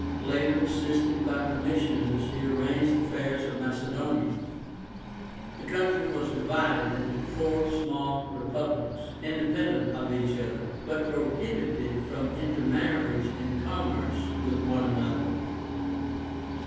Later, assisted by commissioners, he arranged the affairs of Macedonia. The country was divided into four small republics, independent of each other, but prohibited from intermarriage and commerce with one another.